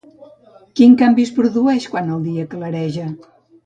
Quin canvi es produeix quan el dia clareja?